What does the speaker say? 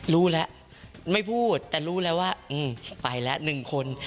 รู้แล้วไม่พูดแต่รู้แล้วว่าไปแล้ว๑คน